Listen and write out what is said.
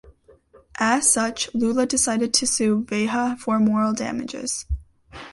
As such, Lula decided to sue "Veja" for moral damages.